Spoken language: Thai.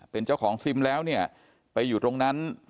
เป็นเจ้าของซิมแล้วเนี่ยไปอยู่ตรงนั้น